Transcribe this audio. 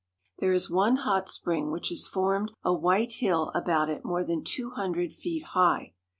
There is one hot spring which has formed a white hill about it more than two hundred feet high.